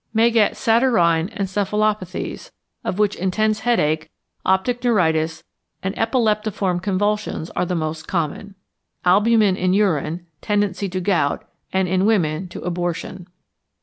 May get saturnine encephalopathies, of which intense headache, optic neuritis, and epileptiform convulsions, are the most common. Albumin in urine, tendency to gout, and in women to abortion.